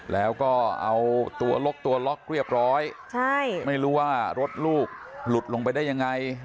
แล้วก็เอาตัวลกตัวล็อกเรียบร้อยใช่ไม่รู้ว่ารถลูกหลุดลงไปได้ยังไง